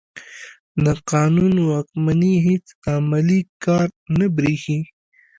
د قانون واکمني هېڅ عملي کار نه برېښي.